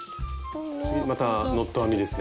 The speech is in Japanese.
次またノット編みですね。